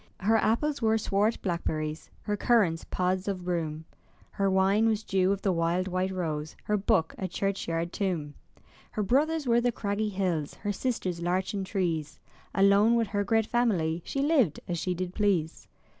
Her apples were swart blackberries, Her currants pods o' broom; Her wine was dew of the wild white rose. Her book a churchyard tomb. Her brothers were the craggy hills, Her sisters larchen trees; Alone with her great family She lived as she did please.